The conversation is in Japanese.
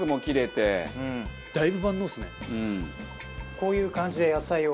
こういう感じで野菜を。